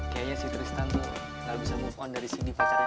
kayaknya si tristan tuh gak bisa move on dari sini pacarnya naik ke atas